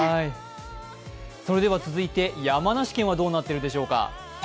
それでは、続いて山梨県はどうなっているでしょうか。